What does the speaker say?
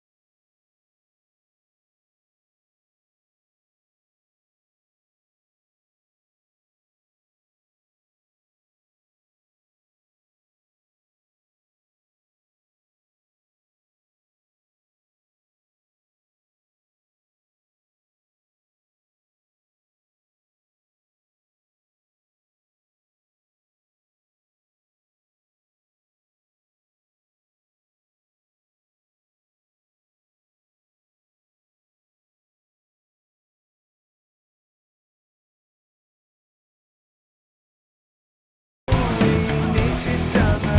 mas ke dalam dulu sebentar ya